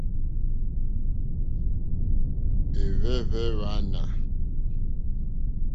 Ɛ̀hwɛ́hwɛ́ wààná.